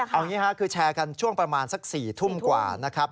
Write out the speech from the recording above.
เอาอย่างนี้ค่ะคือแชร์กันช่วงประมาณสัก๔ทุ่มกว่านะครับ